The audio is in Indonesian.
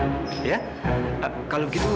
kalau begitu pak saya mau pergi dulu ya